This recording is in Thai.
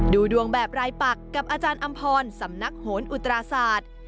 ดูดวงแบบรายปักกับอาจารย์อำพรสำนักโหนอุตราศาสตร์